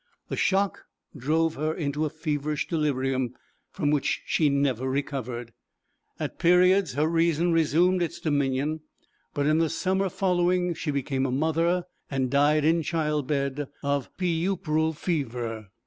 The shock drove her into a feverish delirium, from which she never recovered. At periods, her reason resumed its dominion, but in the summer following, she became a mother, and died in child bed, of puerperal fever.